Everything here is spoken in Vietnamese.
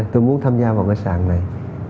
tôi tham gia vào cái sàn này